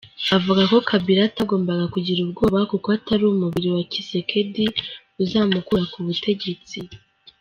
Avuga ko Kabila atagomba kugira ubwoba kuko atari umubiri wa Tshisekedi uzamukura ku butegetsi.